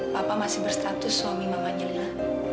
papa masih berstatus suami mamanya